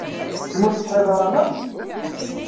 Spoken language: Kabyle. Kemm ur tettsetḥid ara akk?